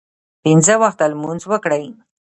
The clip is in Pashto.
پنځه وخته لمونځ وکړئ